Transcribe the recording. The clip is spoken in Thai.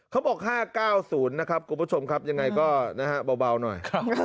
เขาบอก๕๙๐นะครับคุณผู้ชมครับยังไงก็นะฮะเบาหน่อย